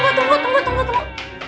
eh tunggu tunggu tunggu